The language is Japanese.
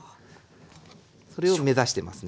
それを目指してますね。